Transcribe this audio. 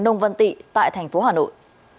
nông văn tị tại tp hà nội